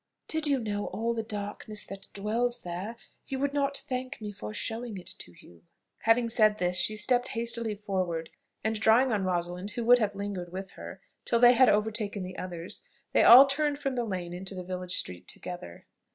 "Did you know all the darkness that dwells there, you would not thank me for showing it to you." Having said this, she stepped hastily forward, and drawing on Rosalind, who would have lingered, with her, till they had overtaken the others, they all turned from the lane into the village street together.